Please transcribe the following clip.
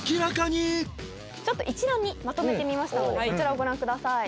ちょっと一覧にまとめてみましたのでこちらをご覧ください。